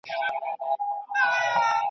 o باغ چي لاښ سي، باغوان ئې خوار سي.